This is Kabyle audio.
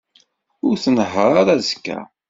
Ur tnehheṛ ara azekka.